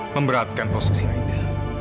memberatkan posisi aida